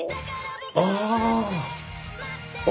ああ！